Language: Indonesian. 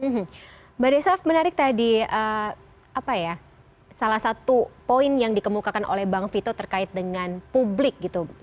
mbak desaf menarik tadi apa ya salah satu poin yang dikemukakan oleh bang vito terkait dengan publik gitu